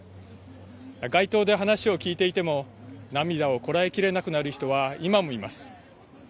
街頭で話を聞いていても涙をこらえきれなくなる人は今もいます。